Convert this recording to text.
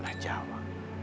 di tanah jawa